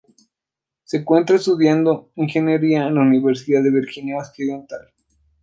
Se encuentra estudiando ingeniería en la Universidad de Virginia Occidental.